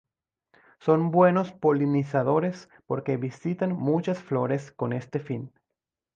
Son buenos polinizadores porque visitan muchas flores con este fin.